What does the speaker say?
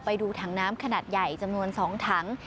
ไปดูถังน้ำขนาดใหญ่จำนวน๒ถัง